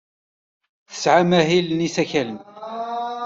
Tesɛam ahil n yisakalen?